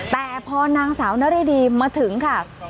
แต่พอนางสาวนริดีมาถึงค่ะ